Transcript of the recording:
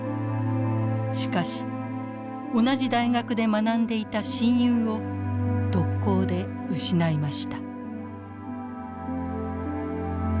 しかし同じ大学で学んでいた親友を特攻で失いました。